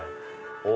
お！